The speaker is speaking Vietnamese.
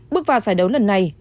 bước vào giải đấu lần này